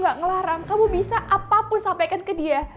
aku gak ngelaram kamu bisa apa pun sampaikan ke dia